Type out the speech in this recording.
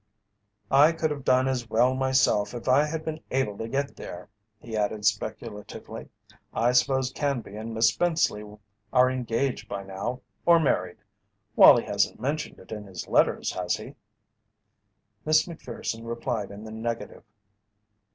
"I could have done as well myself if I had been able to get there." He added speculatively: "I suppose Canby and Miss Spenceley are engaged by now or married. Wallie hasn't mentioned it in his letters, has he?" Miss Macpherson replied in the negative.